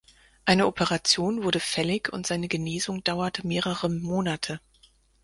Eine Operation wurde fällig und seine Genesung dauerte mehrere Monate.